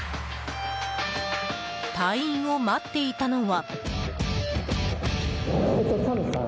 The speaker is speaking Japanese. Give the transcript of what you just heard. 隊員を待っていたのは。